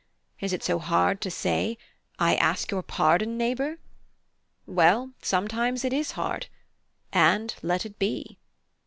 Is it so hard to say, I ask your pardon, neighbour? Well, sometimes it is hard and let it be."